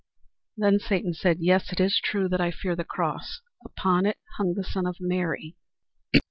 Then Satan said, "Yes, it is true that I fear the cross. Upon it hung the Son of Mary."